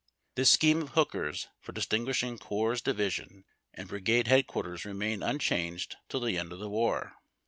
This scheme of Hooker's, for distinguishing corps, division, and brigade headquarters remained unchanged till the end of the war.